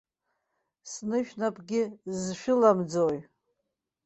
Снышәнапгьы зшәыламӡои?